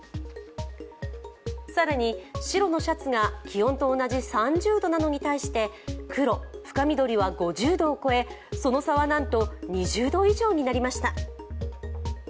更に白のシャツが気温と同じ３０度なのに対して黒・深緑は５０度を超えその差はなんと２０度以上になりました。